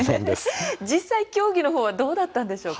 実際競技の方はどうだったんでしょうか。